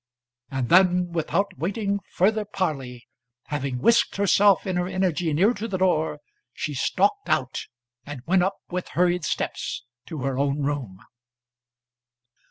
And then, without waiting further parley, having wisked herself in her energy near to the door, she stalked out, and went up with hurried steps to her own room.